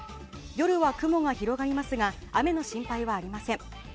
夜は雲が広がりますが雨の心配はありません。